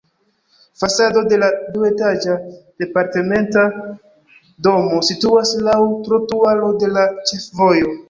Fasado de la duetaĝa departementa domo situas laŭ trotuaro de la ĉefvojo.